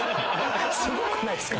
すごくないっすか？